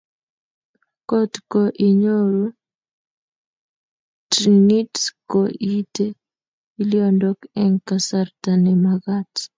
kotko inyoru trnit ko iite olindok eng kasarta ne magat